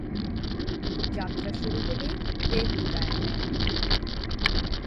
যাত্রা শুরু হলে প্রেম বিদায় নেয়।